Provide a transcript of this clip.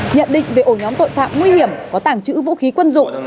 nhận định về ổ nhóm tội phạm nguy hiểm có tàng trữ vũ khí quân dụng